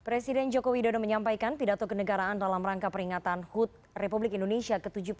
presiden joko widodo menyampaikan pidato kenegaraan dalam rangka peringatan hud republik indonesia ke tujuh puluh tiga